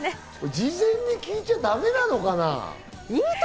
事前に聞いちゃだめなのかな？